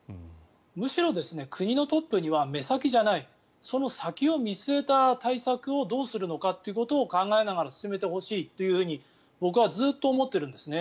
むしろ国のトップには目先じゃないその先を見据えた対策をどうするのかということを考えながら進めてほしいというふうに僕はずっと思っているんですね。